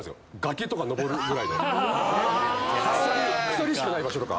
鎖しかない場所とか。